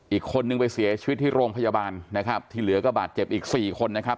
อีกคนนึงไปเสียชีวิตที่โรงพยาบาลนะครับที่เหลือก็บาดเจ็บอีกสี่คนนะครับ